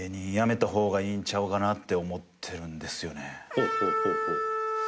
ほうほうほうほう。